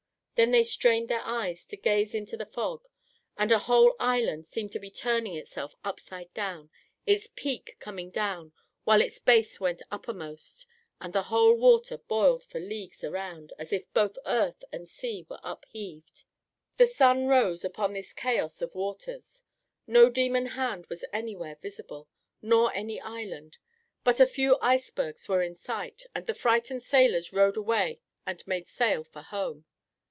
Then they strained their eyes to gaze into the fog, and a whole island seemed to be turning itself upside down, its peak coming down, while its base went uppermost, and the whole water boiled for leagues around, as if both earth and sea were upheaved. The sun rose upon this chaos of waters. No demon hand was anywhere visible, nor any island, but a few icebergs were in sight, and the frightened sailors rowed away and made sail for home.